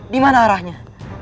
di mana arahnya